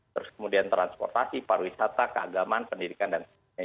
terus kemudian transportasi pariwisata keagaman pendidikan dan lain lain